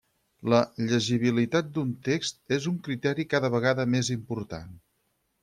La llegibilitat d'un text és un criteri cada vegada més important.